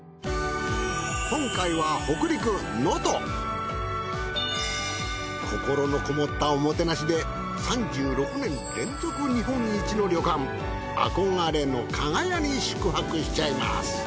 今回は心のこもったおもてなしで３６年連続日本一の旅館憧れの加賀屋に宿泊しちゃいます。